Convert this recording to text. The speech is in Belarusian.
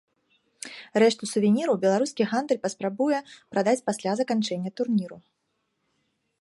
Рэшту сувеніраў беларускі гандаль паспрабуе прадаць пасля заканчэння турніру.